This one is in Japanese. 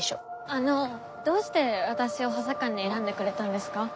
あのどうして私を補佐官に選んでくれたんですか？